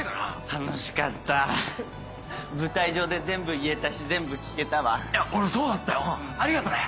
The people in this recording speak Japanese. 楽しかった舞台上で全部言えたし全部聞けたわいや俺もそうだったよありがとね